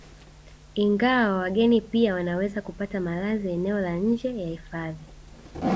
Ingawa wageni pia wanaweza kupata malazi eneo la nje ya hifadhi